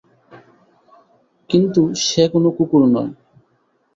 কিন্তু সে কোন কুকুর নয়।